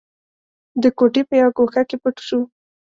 د کوټې په يوه ګوښه کې پټ شو.